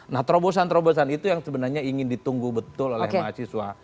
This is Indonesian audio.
nah terobosan terobosan itu yang sebenarnya ingin ditunggu betul oleh mahasiswa